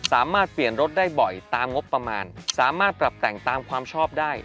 สามารถเปลี่ยนรถได้บ่อยตามงบประมาณสามารถปรับแต่งตามความชอบได้